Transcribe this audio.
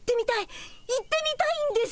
行ってみたいんです！